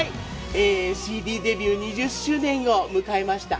ＣＤデビュー２０周年を迎えました。